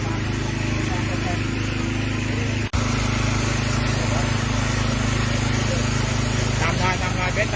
พวกกินของเหลียณภูมิกระเบิด